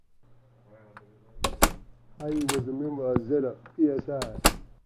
He was a member of Zeta Psi.